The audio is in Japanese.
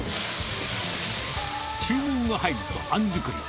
注文が入るとあん作り。